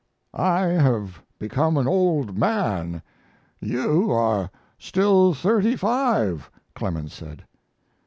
"I have become an old man. You are still thirty five," Clemens said.